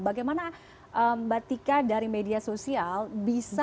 bagaimana mbak tika dari media sosial bisa